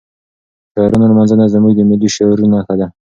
د شاعرانو لمانځنه زموږ د ملي شعور نښه ده.